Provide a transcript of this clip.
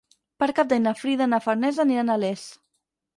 Per Cap d'Any na Frida i na Farners aniran a Les.